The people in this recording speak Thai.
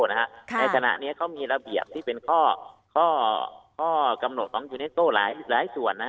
ในขณะนี้เขามีระเบียบที่เป็นข้อกำหนดของยูเนสโต้หลายส่วน